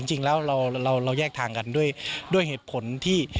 จริงแล้วเราแยกทางกันด้วยเหตุผลที่